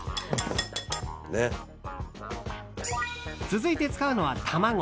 続いて使うのは卵。